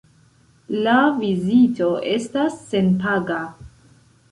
La vizito estas senpaga.